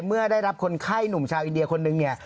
เมื่อได้รับคนไข้หนุ่มชาวอินเดียคนนึงเนี่ย